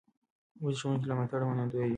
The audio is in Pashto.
موږ د ښوونکي له ملاتړه منندوی یو.